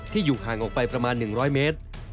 อยู่ห่างออกไปประมาณ๑๐๐เมตร